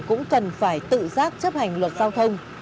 cũng cần phải tự giác chấp hành luật giao thông